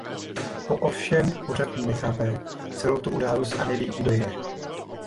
Po ovšem pořád nechápe celou tu událost a neví "kdo je".